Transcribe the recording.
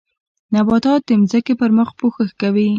نباتات د ځمکې پر مخ پوښښ کوي